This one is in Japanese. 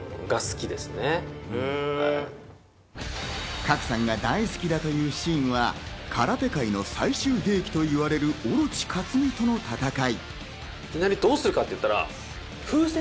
賀来さんが大好きだというシーンは、空手界の最終兵器と言われる、愚地克巳との戦い。